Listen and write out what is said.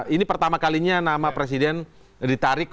ini pertama kalinya nama presiden ditarik